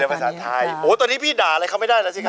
ภาษาไทยโอ้ตอนนี้พี่ด่าอะไรเขาไม่ได้แล้วสิครับ